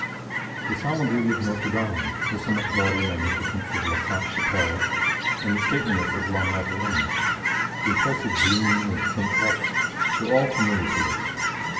The solemn beauty of Notre Dame, the somewhat gaudy magnificence of La Sainte Chapelle, the stateliness of La Madeleine, the impressive gloom of St. Roch, were all familiar to us.